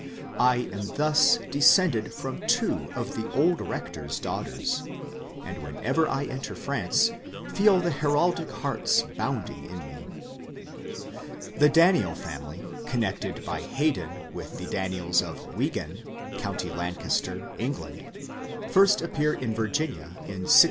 I am thus descended from two of the old rector's daughters, and whenever I enter France feel the heraldic hearts bounding in me. The Daniel family, connected by Hayden with the Daniels of Wigan, County Lancaster, England, first appear in Virginia in 1634.